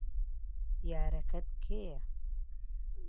یارەکەت کێیە؟